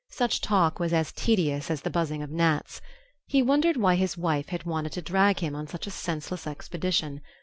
Such talk was as tedious as the buzzing of gnats. He wondered why his wife had wanted to drag him on such a senseless expedition....